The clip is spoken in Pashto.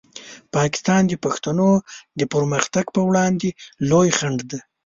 پاکستان د پښتنو د پرمختګ په وړاندې لوی خنډ دی.